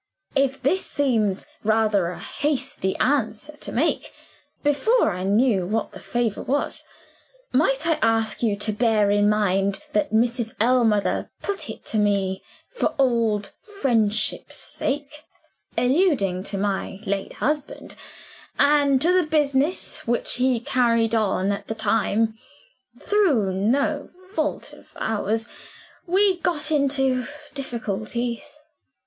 If this seems rather a hasty answer to make, before I knew what the favor was, might I ask you to bear in mind that Mrs. Ellmother put it to me 'for old friendship's sake' alluding to my late husband, and to the business which we carried on at that time? Through no fault of ours, we got into difficulties.